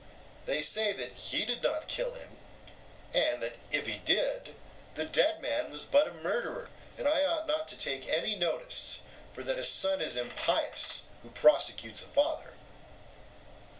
They say that he did not kill him, and that if he did, the dead man was but a murderer, and I ought not to take any notice, for that a son is impious who prosecutes a father.